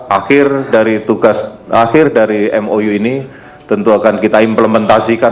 akhir dari tugas akhir dari mou ini tentu akan kita implementasikan